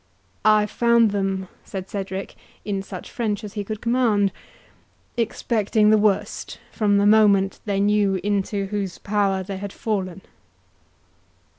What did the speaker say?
"I found them," said Cedric, in such French as he could command, "expecting the worst, from the moment they knew into whose power they had fallen."